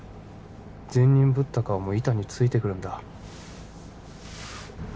善人ぶった顔も板についてくるんだ